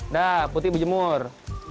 udah putih bujemur